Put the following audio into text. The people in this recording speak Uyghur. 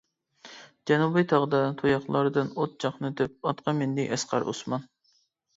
جەنۇبىي تاغدا تۇياقلاردىن ئوت چاقنىتىپ ئاتقا مىندى ئەسقەر ئوسمان.